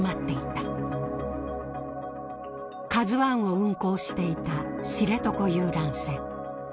ＫＡＺＵⅠを運航していた知床遊覧船。